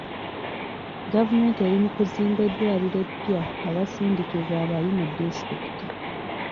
Gavumenti eri mu Kuzimba eddwaliro epya awasindikibwa abayi mu disitulikiti.